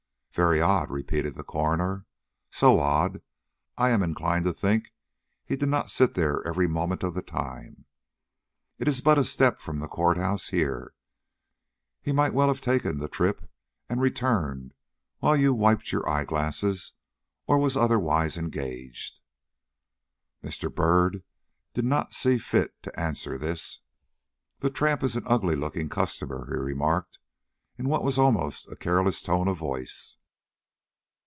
"Very odd," repeated the coroner; "so odd, I am inclined to think he did not sit there every moment of the time. It is but a step from the court house here; he might well have taken the trip and returned while you wiped your eye glasses or was otherwise engaged." Mr. Byrd did not see fit to answer this. "The tramp is an ugly looking customer," he remarked, in what was almost a careless tone of voice.